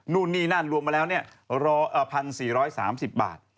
นู่นนี่นั่นรวมมาแล้ว๑๔๓๐บาท